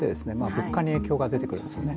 物価に影響が出てくるんですね。